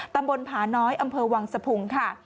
ตำบลผาน้อยอำเภอวังสะพุงค่ะ